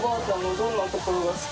どういうところが好き？